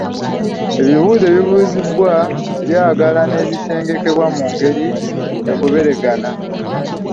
Ebibuuzo ebibuuzibwa byagala ne bisengekebwa mu ngeri egoberegana.